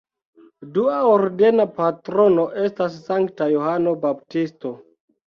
Dua ordena patrono estas Sankta Johano Baptisto.